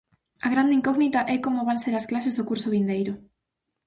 A grande incógnita é como van ser as clases o curso vindeiro.